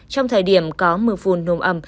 trong thời điểm có mưa phùn nồm ẩm